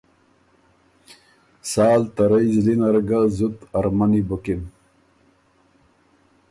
سال ته رئ زلی نر ګۀ زُت ارمنی بُکِن۔